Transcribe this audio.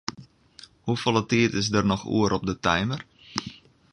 Hoefolle tiid is der noch oer op 'e timer?